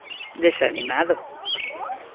Desanimado.